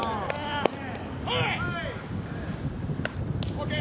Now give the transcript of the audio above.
・ＯＫ！